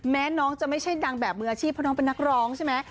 แม้น้องจะไม่ใช่ดังแบบมืออาชีพเพราะน้องเป็นนักร้องใช่ไหม